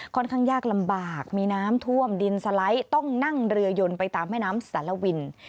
ค่อนข้างยากลำบากมีน้ำท่วมดินสไลด์ต้องนั่งเรือยนไปตามแม่น้ำสารวิน